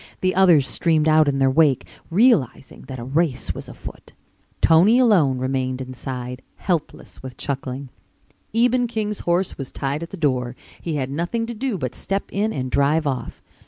The others streamed out in their wake, realizing that a race was afoot. Tony alone remained inside, helpless with chuckling. Eben King's horse was tied at the door. He had nothing to do but step in and drive off.